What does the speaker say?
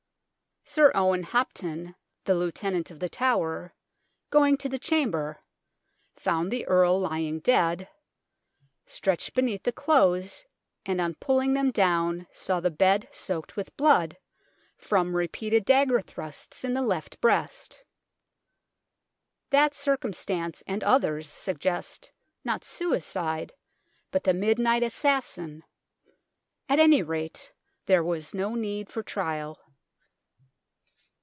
Sir Owen Hopton, the Lieutenant of The Tower, going to the chamber, found the Earl lying dead, stretched beneath the clothes, and on pulling them down saw the bed soaked with blood, from repeated dagger thrusts in the left breast. That circumstance and others suggest, not suicide, but the midnight assassin ; at any rate, there was no need for trial.